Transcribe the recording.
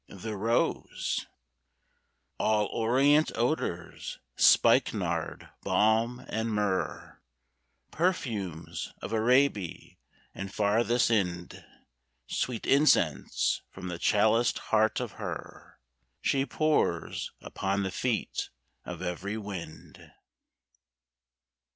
The Rose All Orient odors, spikenard, balm and myrrh, Perfumes of Araby and farthest Ind Sweet incense from the chaliced heart of her She pours upon the feet of every wind.